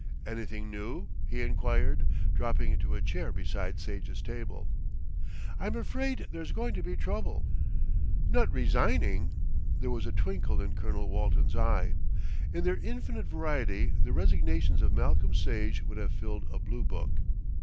"Anything new?" he enquired, dropping into a chair beside Sage's table. "I'm afraid there's going to be trouble." "Not resigning?" there was a twinkle in Colonel Walton's eye. In their infinite variety the resignations of Malcolm Sage would have filled a Blue Book.